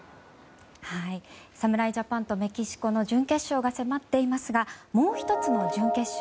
侍ジャパンとメキシコの準決勝が迫っていますがもう１つの準決勝